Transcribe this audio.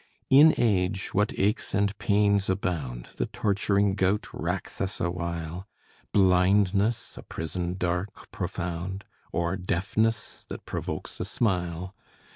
In age what aches and pains abound. The torturing gout racks us awhile; Blindness, a prison dark, profound; Or deafness that provokes a smile.